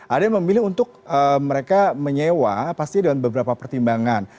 ada yang memilih untuk mereka menyewa pasti dalam beberapa pertimbangan